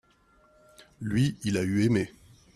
lui, il a eu aimé.